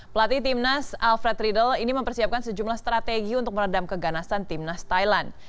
pelatih timnas alfred riedel ini mempersiapkan sejumlah strategi untuk meredam keganasan timnas thailand